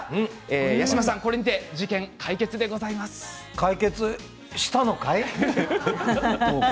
八嶋さん事件解決したのかい？